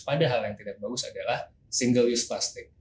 padahal yang tidak bagus adalah single use plastik